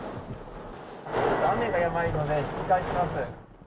雨がやばいので引き返します。